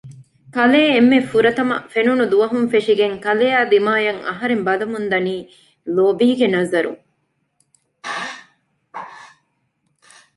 ކަލޭ އެންމެ ފުރަތަމަ ފެނުނު ދުވަހުން ފެށިގެން ކަލެއާ ދިމާއަށް އަހަރެން ބަލަމުންދަނީ ލޯބީގެ ނަޒަރުން